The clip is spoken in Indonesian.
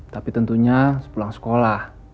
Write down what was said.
tapi tentunya pulang sekolah